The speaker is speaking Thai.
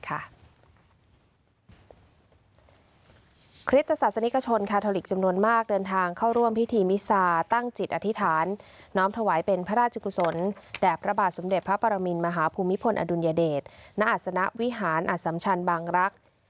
คริสตศาสนิกชนคาทอลิกจำนวนมากเดินทางเข้าร่วมพิธีมิซาตั้งจิตอธิษฐานน้อมถวายเป็นพระราชกุศลแด่พระบาทสมเด็จพระปรมินมหาภูมิพลอดุลยเดชนณอัศนวิหารอสัมชันบางรักษ์